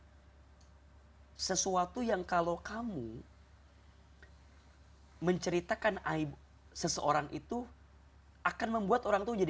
sesuatu yang kalau kamu menceritakan aib seseorang itu akan membuat orang tuh jadi